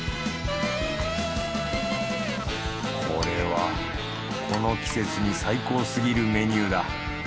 これはこの季節に最高すぎるメニューだ。